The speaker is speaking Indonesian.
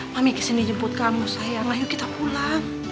kami kesini jemput kamu sayang ayo kita pulang